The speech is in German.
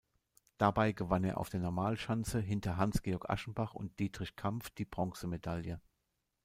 Dabei gewann er auf der Normalschanze hinter Hans-Georg Aschenbach und Dietrich Kampf die Bronzemedaille.